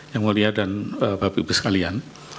yang mulia dan bapak ibu sekalian